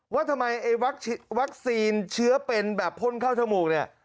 ว่าทำไมไอ้วัคซีนเชื้อเป็นแบบพ่นเข้าจมูกเนี่ย